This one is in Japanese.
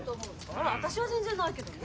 ・あら私は全然ないけどね。